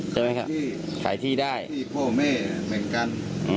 ใช่ใช่ไหมครับใช้ที่ได้พี่พ่อแม่แม่งกัน